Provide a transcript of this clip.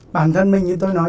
bản thân mình như tôi nói